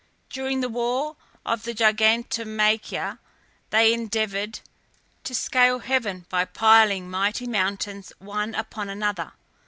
During the war of the Gigantomachia, they endeavoured to scale heaven by piling mighty mountains one upon another.